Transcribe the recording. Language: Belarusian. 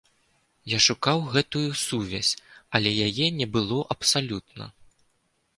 Я шукаў гэтую сувязь, але яе не было абсалютна.